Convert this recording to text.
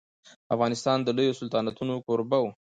افغانستان د لويو سلطنتونو کوربه و.